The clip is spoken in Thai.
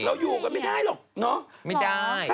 อยู่กันไม่ได้หรอกเนอะไม่ได้